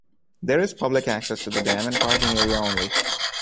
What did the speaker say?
There is public access to the dam and parking area only.